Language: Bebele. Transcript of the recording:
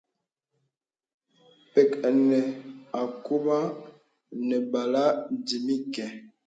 Pə̀k enə akūmà nə bəlà dimi kɛ.